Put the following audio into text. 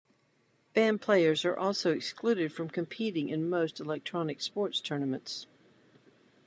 Banned players are also excluded from competing in most electronic sports tournaments.